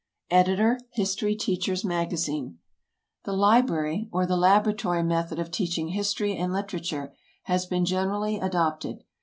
Editor HISTORY TEACHER'S MAGAZINE: The library or the laboratory method of teaching history and literature has been generally adopted.